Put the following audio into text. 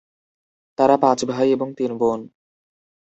তারা পাঁচ ভাই এবং তিন বোন।